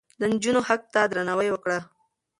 د نجونو حق ته درناوی وکړه.